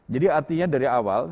jadi artinya dari awal